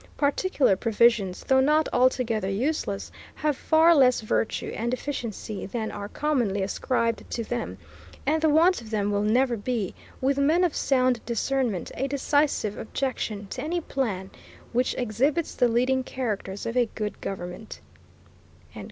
Particular provisions, though not altogether useless, have far less virtue and efficiency than are commonly ascribed to them; and the want of them will never be, with men of sound discernment, a decisive objection to any plan which exhibits the leading characters of a good Government."